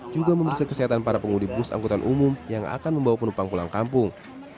juga memeriksa kesehatan para pengudi bus angkutan umum yang akan membawa penumpang pulang kampung